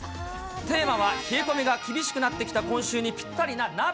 テーマは、冷え込みが厳しくなってきた今週にぴったりな鍋。